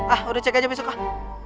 ah udah cek aja besok